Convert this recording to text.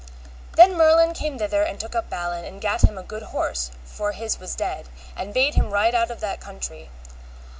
Then Merlin came thither and took up Balin, and gat him a good horse, for his was dead, and bade him ride out of that country.